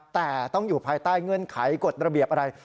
แต่ต้องอยู่ภายใต้เงื่อนไขกฎระเบียบอะไร